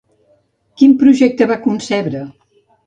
Quin projecte va concebre?